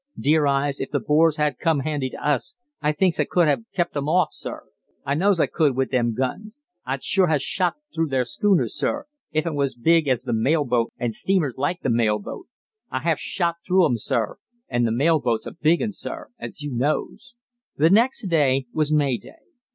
Dear eyes! if th' Boers ha' come handy t' us, I thinks I could ha' kept un off, sir. I knows I could wi' them guns. I'd sure ha' shot through their schooners, sir, if un was big as th' mail boat an' steamers like th' mail boat. I'd ha' shot through un, sir, an' th' mail boat's a big un, sir, as you knows." The next day was May Day.